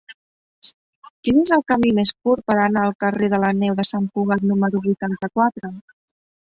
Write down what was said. Quin és el camí més curt per anar al carrer de la Neu de Sant Cugat número vuitanta-quatre?